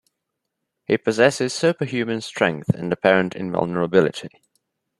He possesses superhuman strength and apparent invulnerability.